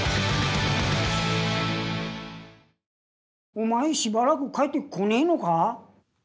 お前しばらく帰ってこねえのか？